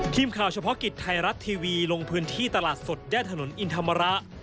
ทีมข่าวเฉพาะกิจไทยรัฐทีวีลงพื้นที่ตลาดสดย่านถนนอินธรรมระ